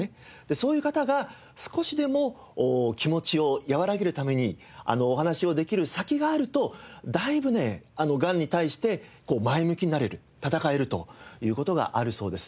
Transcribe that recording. そういう方が少しでも気持ちを和らげるためにお話しをできる先があるとだいぶねがんに対して前向きになれる闘えるという事があるそうです。